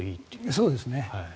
そうですね。